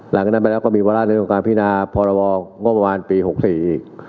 หลังจากนั้นก็มีวาร่าหนึ่งโรงการพินาพรวปี๖๔อีก